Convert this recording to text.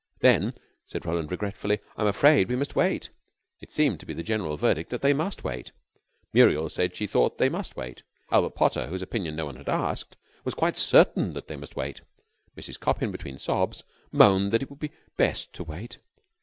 "Then," said Roland regretfully, "I'm afraid we must wait." It seemed to be the general verdict that they must wait. Muriel said she thought they must wait. Albert Potter, whose opinion no one had asked, was quite certain that they must wait. Mrs. Coppin, between sobs, moaned that it would be best to wait.